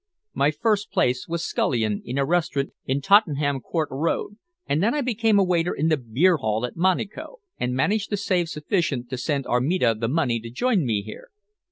My first place was scullion in a restaurant in Tottenham Court Road, and then I became waiter in the beer hall at the Monico, and managed to save sufficient to send Armida the money to join me here.